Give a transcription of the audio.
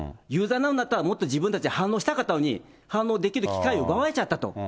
有罪になるんだったら、もっと自分たちで反論したかったのに、反論できる機会を奪われちゃったと。